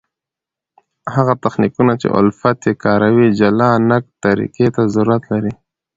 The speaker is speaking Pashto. هغه تخنیکونه، چي الفت ئې کاروي جلا نقد طریقي ته ضرورت لري.